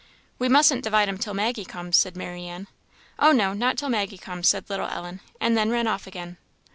"We mustn't divide 'em till Maggie comes," said Marianne. "Oh, no not till Maggie comes," said little Ellen; and then ran off again.